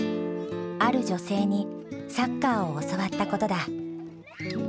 ある女性にサッカーを教わったことだ。